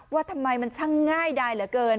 ว่าทำไมมันช่างง่ายดายเหลือเกิน